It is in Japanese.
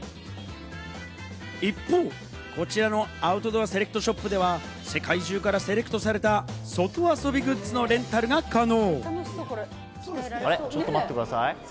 一方、こちらのアウトドアセレクトショップでは世界中からセレクトされた、外遊びグッズのレンタルが可能。